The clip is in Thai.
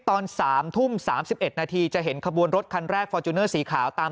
ตอน๓ทุ่ม๓๑นาทีจะเห็นขบวนรถคันแรกฟอร์จูเนอร์สีขาวตาม